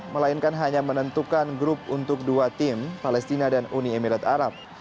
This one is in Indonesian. melainkan hanya menentukan grup untuk dua tim palestina dan uni emirat arab